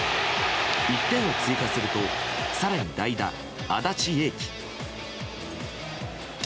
１点を追加すると更に代打・安達英輝。